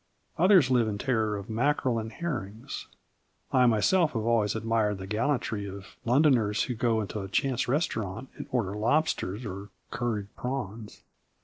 Others live in terror of mackerel and herrings. I myself have always admired the gallantry of Londoners who go into a chance restaurant and order lobster or curried prawns.